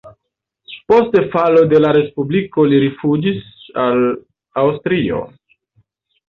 Post falo de la respubliko li rifuĝis al Aŭstrio.